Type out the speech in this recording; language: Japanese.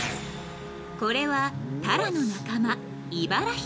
［これはタラの仲間］